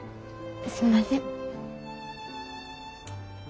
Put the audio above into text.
すみません。